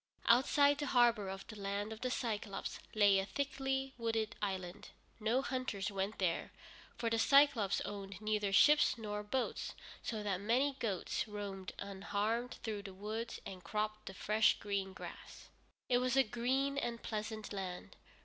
Outside the harbor of the Land of the Cyclôpes lay a thickly wooded island. No hunters went there, for the Cyclôpes owned neither ships nor boats, so that many goats roamed unharmed through the woods and cropped the fresh green grass. It was a green and pleasant land.